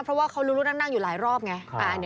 เพราะว่าเขารู้นั่งอยู่หลายรอบไง